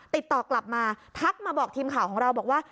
ติดต่อกลับมาทักมาบอกทีมข่าวของเราบอกว่า